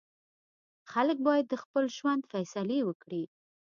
خلک باید د خپل ژوند فیصلې وکړي.